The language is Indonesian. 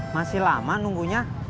masih lama nunggunya